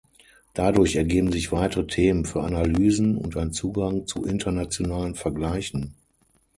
Dadurch ergeben sich weitere Themen für Analysen und ein Zugang zu internationalen Vergleichen.